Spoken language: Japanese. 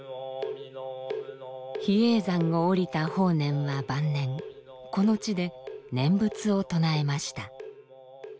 比叡山を下りた法然は晩年この地で念仏を唱えました。